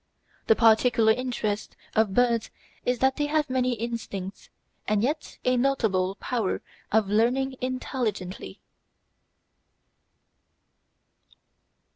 The peculiar interest of birds is that they have many instincts and yet a notable power of learning intelligently.